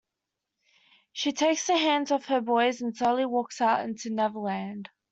She takes the hands of her boys and slowly walks out into Neverland.